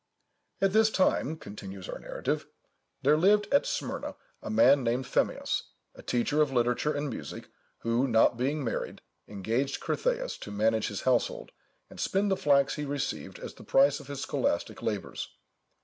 "At this time," continues our narrative, "there lived at Smyrna a man named Phemius, a teacher of literature and music, who, not being married, engaged Critheïs to manage his household, and spin the flax he received as the price of his scholastic labours.